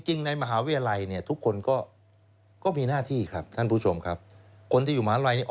ในมหาวิทยาลัยเนี่ยทุกคนก็ก็มีหน้าที่ครับท่านผู้ชมครับคนที่อยู่มหาลัยเนี่ย